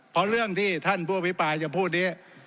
เพราะเรื่องที่ท่านผู้อภิปรายจะพูดนี้